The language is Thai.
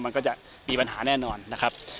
มันก็จะมีปัญหาแน่นอนนะครับ